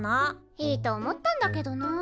いいと思ったんだけどな。